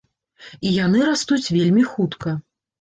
І яны растуць вельмі хутка.